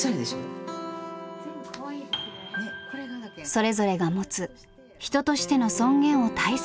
「それぞれが持つ人としての尊厳を大切にしたい」。